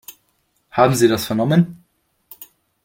Haben Sie das vernommen?